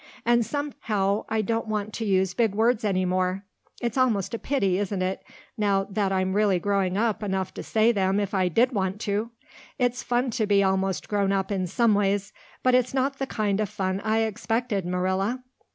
And somehow I don't want to use big words any more. It's almost a pity, isn't it, now that I'm really growing big enough to say them if I did want to. It's fun to be almost grown up in some ways, but it's not the kind of fun I expected, Marilla.